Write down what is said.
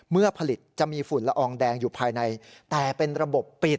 ผลิตจะมีฝุ่นละอองแดงอยู่ภายในแต่เป็นระบบปิด